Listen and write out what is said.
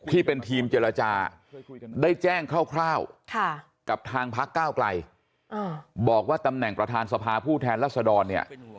ที่เป็นทีมเจรจาได้แจ้งคร่าวกับทางพักก้าวไกลบอกว่าตำแหน่งประธานสภาผู้แทนรัศดรเนี่ย